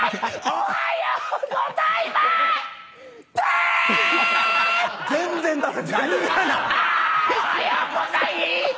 おはようござい。